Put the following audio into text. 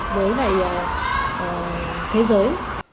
với thế giới này thế giới